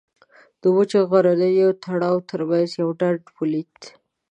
د وچو غرنیو تړو تر منځ یو ډنډ ولید.